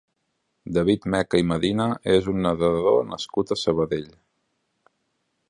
David Meca i Medina és un nedador nascut a Sabadell.